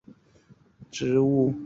尖齿黄耆是豆科黄芪属的植物。